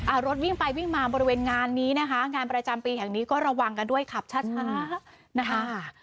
รถวิ่งไปวิ่งมาบริเวณงานนี้นะคะงานประจำปีแห่งนี้ก็ระวังกันด้วยขับช้าช้านะคะ